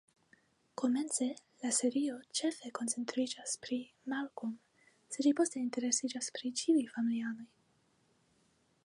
Komence, la serio ĉefe koncentriĝas pri Malcolm, sed ĝi poste interesiĝas pri ĉiuj familianoj.